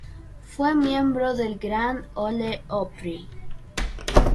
Fue miembro del Grand Ole Opry.